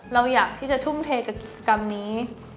เราอยากที่จะทุ่มเทกับกิจกรรมนี้